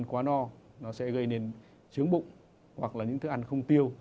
nó sẽ gây nên quá no nó sẽ gây nên chướng bụng hoặc là những thức ăn không tiêu